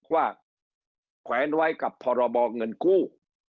ว่าแขวนไว้กับพรบเงินกู้